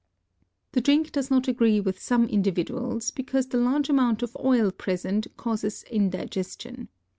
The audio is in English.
The drink does not agree with some individuals, because the large amount of oil present causes indigestion.